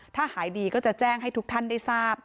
ถ้าหายดีก็จะแจ้งให้ทุกท่านได้ทราบ